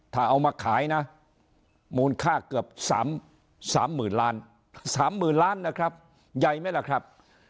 ถ้าเอามาขายนะมูลค่าเกือบ๓๐๐๐ล้าน๓๐๐๐ล้านนะครับใหญ่ไหมล่ะครับ